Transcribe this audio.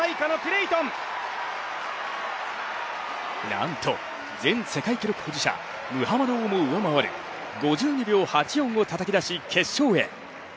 なんと前世界記録保持者ムハマドをも上回る５２秒８４をたたき出し決勝へ。